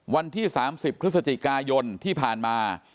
วันที่๓๐พฤศจิกายนที่ผ่านมา